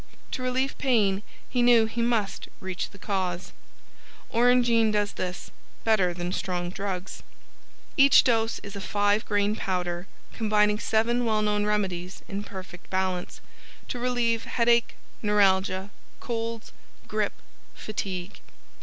To relieve pain, he knew he must reach the cause. Orangeine does this, better than strong drugs. Each dose is a five grain powder, combining seven well known remedies in perfect balance, to relieve HEADACHE, NEURALGIA, COLDS, GRIP, FATIGUE.